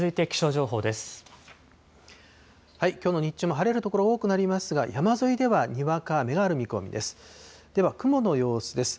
きょうの日中も晴れる所、多くなりますが、山沿いではにわか雨がある見込みです。